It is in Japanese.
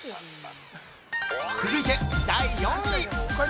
続いて、第４位。